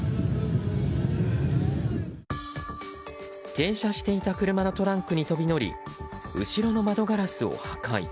停車していた車のトランクに飛び乗り後ろの窓ガラスを破壊。